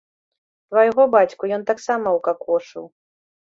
Твайго бацьку ён таксама ўкакошыў.